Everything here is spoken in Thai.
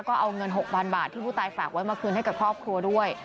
ก็เอาเงิน๖๐๐๐บาทที่ผู้ตายฝากไว้มาคืนให้กับครอบครัวด้วย